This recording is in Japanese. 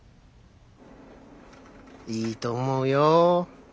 いいと思うよ。